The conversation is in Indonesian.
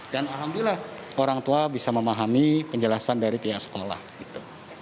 dan alhamdulillah orang tua bisa memahami penjelasan dari pihak sekolah gitu